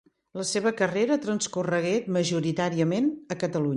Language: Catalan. La seva carrera transcorregué majoritàriament a Catalunya.